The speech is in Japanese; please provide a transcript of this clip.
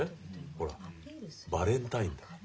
ほらバレンタインだから。